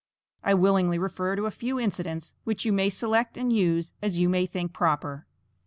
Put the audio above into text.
I willingly refer to a few incidents which you may select and use as you may think proper.